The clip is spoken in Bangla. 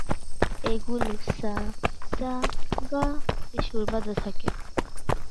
এগুলো "সা সা গা" তে সুর বাঁধা থাকে।